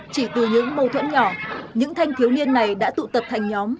chỉ từ những mâu thuẫn nhỏ những thanh thiếu niên này đã tụ tập thành nhóm